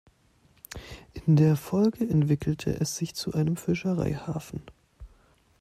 In der Folge entwickelte es sich zu einem Fischereihafen.